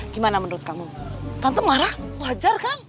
gimana menurut kamu tante marah wajar kan